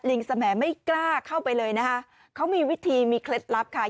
สมัยไม่กล้าเข้าไปเลยนะคะเขามีวิธีมีเคล็ดลับค่ะ